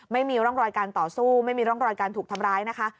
ไม่มีร่องรอยการต่อสู้ไม่มีร่องรอยการถูกทำร้ายนะคะ